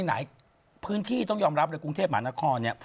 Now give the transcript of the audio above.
หลายพื้นที่ต้องยอมรับในกรุงเทพฯหมานักข้อนี่